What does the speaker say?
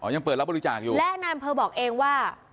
ยังเปิดรับบริจาคอยู่และนายอำเภอบอกเองว่า